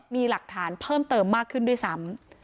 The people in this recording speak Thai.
มีหลักฐานเพิ่มเติมมากขึ้นด้วยซ้ำ